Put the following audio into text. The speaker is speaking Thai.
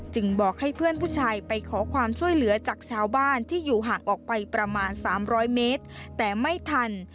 บอกให้เพื่อนผู้ชายไปขอความช่วยเหลือจากชาวบ้านที่อยู่ห่างออกไปประมาณ๓๐๐เมตรแต่ไม่ทัน